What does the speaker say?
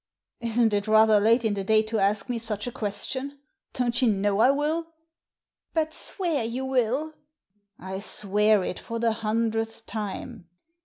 " "Isn't it rather late in the day to ask me such a question ? Don't you know I will ?"" But swear you will !"" I swear it for the hundredth time